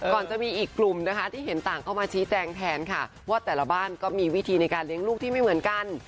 ก่อนจะมีอีกกลุ่มนะคะที่เห็นต่างเข้ามาชี้แจงแทนค่ะว่าแต่ละบ้านก็มีวิธีในการเลี้ยงลูกที่ไม่เหมือนกัน